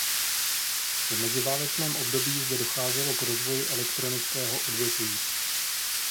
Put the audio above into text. V meziválečném období zde docházelo k rozvoji elektronického odvětví.